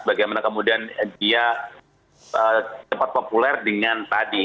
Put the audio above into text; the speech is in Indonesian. bagaimana kemudian dia cepat populer dengan tadi